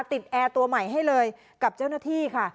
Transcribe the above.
แอร์ตัวใหม่ให้เลยกับเจ้าหน้าที่ค่ะ